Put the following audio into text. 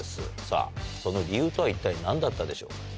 さぁその理由とは一体何だったでしょう？